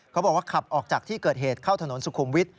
เขาบอกว่าขับออกจากที่เกิดเหตุเข้าถนนสุขุมวิทย